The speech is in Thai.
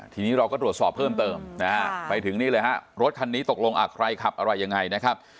ทีนี้เราก็ตรวจสอบเพิ่มเติมนะฮะไปถึงนี่เลยฮะรถคันนี้ตกลงใครขับอะไรยังไงนะครับ